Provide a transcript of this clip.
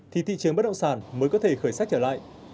thì thị trường bất động sản mới có thể khởi sách trở lại